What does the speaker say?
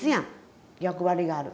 役割がある。